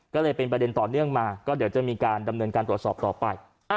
ก็เลยเป็นประเด็นต่อเนื่องมาก็เดี๋ยวจะมีการดำเนินการตรวจสอบต่อไป